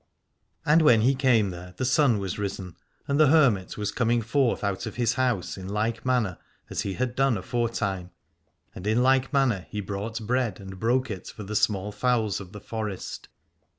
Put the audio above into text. And when he came there the sun was risen, and the hermit was coming forth out of his house in like manner as he had done afore time, and in like manner he brought bread and broke it for the small fowls of the forest.